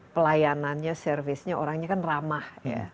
pelayanannya servisnya orangnya kan ramah ya